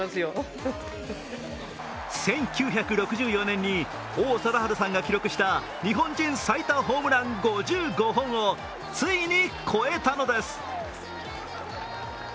１９６４年に王貞治さんが記録した日本選手最多ホームラン５５本をついに超えたのです。